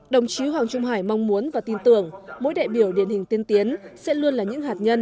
đồng chí hoàng trung hải mong muốn và tin tưởng mỗi đại biểu điển hình tiên tiến sẽ luôn là những hạt nhân